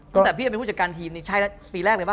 ตั้งแต่พี่จะเป็นผู้จัดการทีมนี่ใช่แล้วปีแรกเลยป่